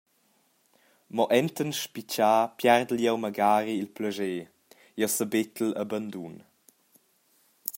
Mo enten spitgar piardel jeu magari il plascher; jeu sebettel a bandun.